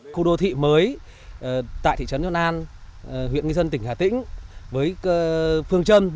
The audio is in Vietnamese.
khu đô thị mới tại thị trấn xuân an huyện nghi xuân tỉnh hà tĩnh